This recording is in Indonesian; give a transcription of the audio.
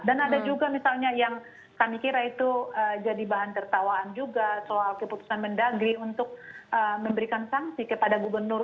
dan ada juga misalnya yang kami kira itu jadi bahan tertawaan juga soal keputusan mendagri untuk memberikan sanksi kepada gubernur